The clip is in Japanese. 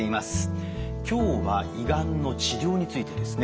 今日は胃がんの治療についてですね。